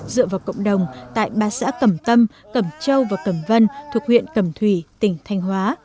dựa vào cộng đồng tại ba xã cẩm tâm cẩm châu và cẩm vân thuộc huyện cẩm thủy tỉnh thanh hóa